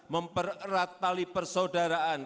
mempererat tali persaudaraan